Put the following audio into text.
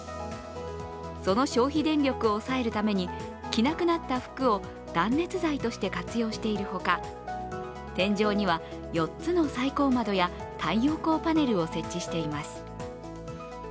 その消費電力を抑えるために着なくなった服を断熱材として活用しているほか天井には４つの採光窓や太陽光パネルを設置しています。